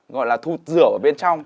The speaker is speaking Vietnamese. gọi là thụt rửa ở bên trong